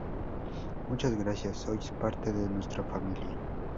Muchas gracias, sois parte de nuestra familia"".